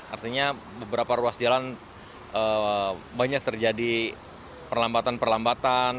artinya beberapa ruas jalan banyak terjadi perlambatan perlambatan